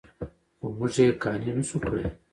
خو موږ یې قانع نه شوو کړی.